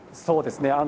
そうですね。